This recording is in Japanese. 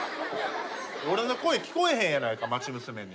俺の声聞こえへんやないか町娘に。